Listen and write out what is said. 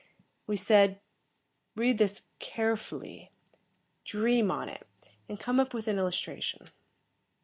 We said, "Read this carefully, dream on it, and come up with an illustration."